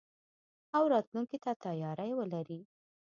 او راتلونکي ته تياری ولري.